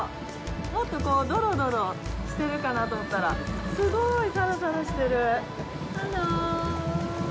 もっとこう、どろどろしてるかなと思ったら、すごい、サラサラしてる！ハロー！